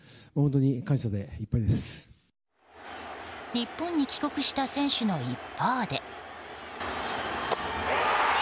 日本に帰国した選手の一方で。